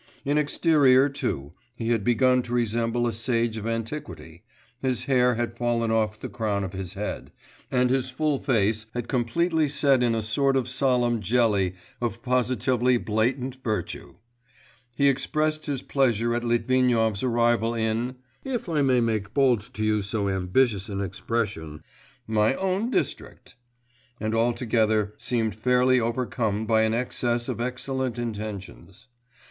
In exterior, too, he had begun to resemble a sage of antiquity; his hair had fallen off the crown of his head, and his full face had completely set in a sort of solemn jelly of positively blatant virtue. He expressed his pleasure at Litvinov's arrival in 'if I may make bold to use so ambitious an expression, my own district,' and altogether seemed fairly overcome by an excess of excellent intentions.